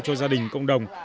cho gia đình cộng đồng